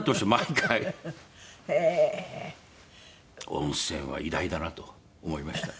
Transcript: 温泉は偉大だなと思いました。